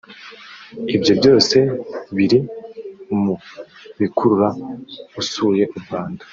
Ibyo byose biri mu bikurura usuye u Rwanda